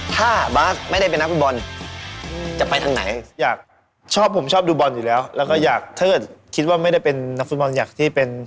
ถ้าบาทไม่ได้เป็นนักฟุตบอล